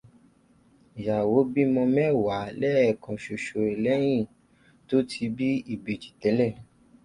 Ìyàwó bímọ mẹ́wàá lẹ́ẹ̀kan ṣoṣo lẹ́yìn tó ti bí ìbejì tẹ́lẹ̀.